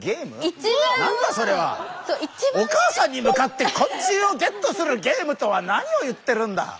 お母さんに向かって昆虫をゲットするゲームとは何を言ってるんだ。